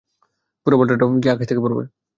পুরো পালটাও কি আকাশ থেকে পড়বে?